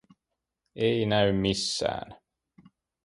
Ei näy missään.